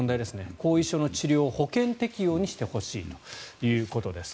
後遺症の治療を保険適用にしてほしいということです。